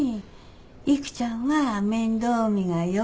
育ちゃんは面倒見がよ